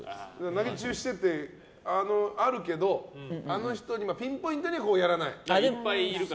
投げＣＨＵしてってあるけどあの人にピンポイントにやらない？